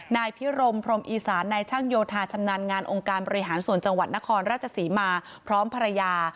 นายพิรมพรมอีสานนายช่างโยธาชำนาญงานองค์การบริหารส่วนจังหวัดนครราชศรีมาพร้อมภรรยา